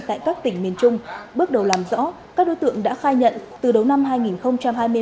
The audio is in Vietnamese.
tại các tỉnh miền trung bước đầu làm rõ các đối tượng đã khai nhận từ đầu năm hai nghìn hai mươi ba